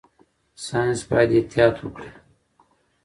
ساينس باید احتیاط وکړي.